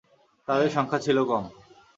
তাদের সংখ্যা ছিল কম।